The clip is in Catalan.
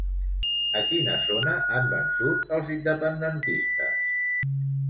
A quina zona han vençut els independentistes?